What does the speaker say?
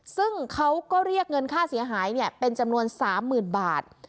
ซึ่งเขาก็เรียกเงินค่าเสียหายเนี่ยเป็นจำนวนสามหมื่นบาท